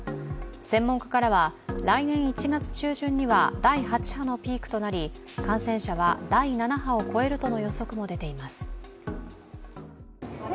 専門家からは、来年１月中旬には第８波のピークとなり感染者は第７波を超えるとの予測も出ています。